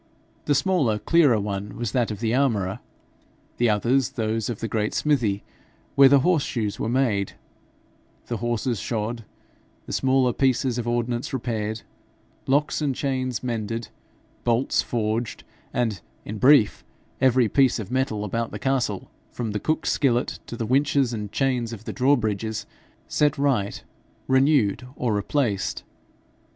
The smaller, clearer one was that of the armourer, the others those of the great smithy, where the horse shoes were made, the horses shod, the smaller pieces of ordnance repaired, locks and chains mended, bolts forged, and, in brief, every piece of metal about the castle, from the cook's skillet to the winches and chains of the drawbridges, set right, renewed, or replaced.